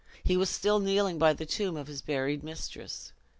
He was still kneeling by the tomb of his buried mistress.